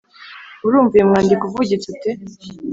murumva uyu mwandiko uvugitse ute?